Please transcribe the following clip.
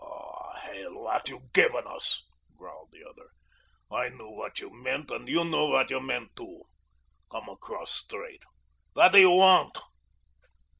"Ah, hell, what you givin' us?" growled the other. "I knew what you meant and you knew what you meant, too. Come across straight. What do you want?"